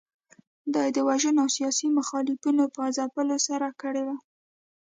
دا یې د وژنو او سیاسي مخالفینو په ځپلو سره کړې وه.